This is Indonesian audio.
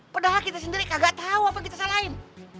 padahal kita sendiri kagak tau apa yang kita salahin